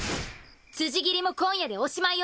辻斬りも今夜でおしまいよ。